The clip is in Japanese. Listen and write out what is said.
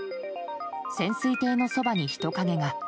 潜水艇のそばに人影が。